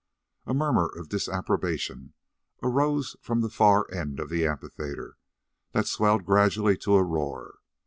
A murmur of disapprobation arose from the far end of the amphitheatre, that swelled gradually to a roar.